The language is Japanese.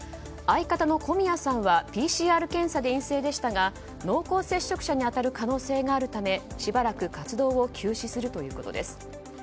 相方の小宮さんはＰＣＲ検査で陰性でしたが濃厚接触者に当たる可能性があるためしばらく活動を休止するということです。